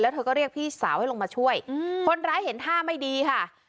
เธอก็เรียกพี่สาวให้ลงมาช่วยคนร้ายเห็นท่าไม่ดีค่ะ